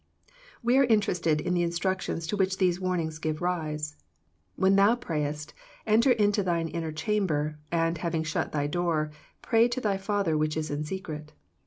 We are interested in the in structions to which these warnings gave rise. "When thou pray est, enter into thine inner cham ber, and having shut thy door, pray to thy Father which is in secret."